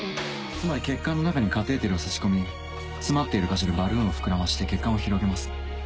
つまり血管の中にカテーテルを差し込み詰まっている箇所でバルーンを膨らまして血管を広げます。